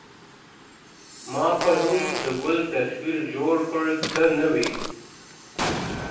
ما پرون د ګل تصویر جوړ کړ ته نه وې.